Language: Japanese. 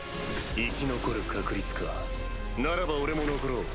生き残る確率かならば俺も残ろう。